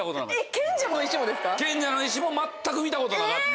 『賢者の石』も全く見たことなかって。